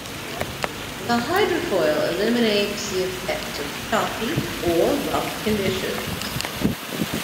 The hydrofoil eliminates the effects of choppy or rough conditions.